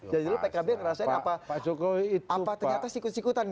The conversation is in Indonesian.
jadi pkb ngerasain apa ternyata sikut sikutan